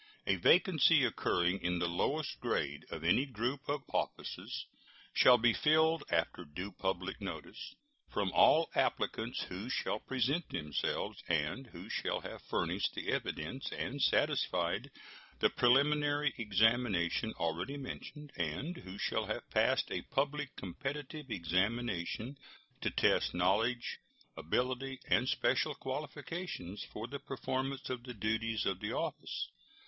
A vacancy occurring in the lowest grade of any group of offices shall be filled, after due public notice, from all applicants who shall present themselves, and who shall have furnished the evidence and satisfied the preliminary examination already mentioned, and who shall have passed a public competitive examination to test knowledge, ability, and special qualifications for the performance of the duties of the office.